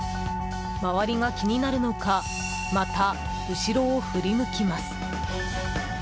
周りが気になるのかまた後ろを振り向きます。